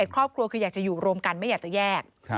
ครอบครัวคืออยากจะอยู่รวมกันไม่อยากจะแยก